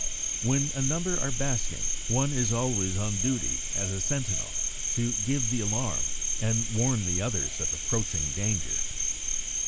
When a number are basking, one is always on duty as a sentinel to give the alarm and warn the others of approaching danger.